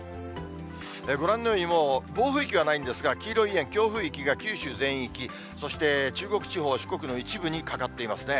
ご覧のように、暴風域はないんですが、黄色い円、強風域が九州全域、そして中国地方、四国の一部にかかっていますね。